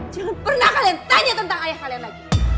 jangan pernah kalian tanya tentang ayah kalian lagi